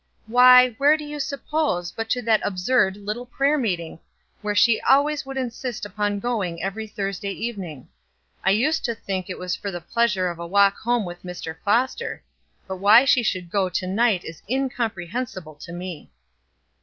"Why, where do you suppose, but to that absurd little prayer meeting, where she always would insist upon going every Thursday evening. I used to think it was for the pleasure of a walk home with Mr. Foster; but why she should go to night is incomprehensible to me."